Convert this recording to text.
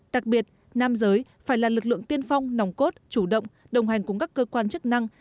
đặc biệt nam giới phải là lực lượng tiên phong nòng cốt chủ động đồng hành cùng các cơ quan chức năng